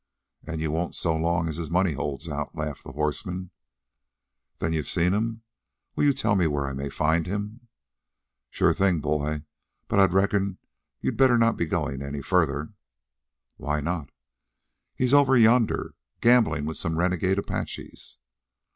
"And you won't so long as his money holds out," laughed the horseman. "Then, you've seen him? Will you tell me where I may find him?" "Sure thing, boy, but I reckon you'd better not be going any further?" "Why not?" "He's over yonder, gambling with some renegade Apaches."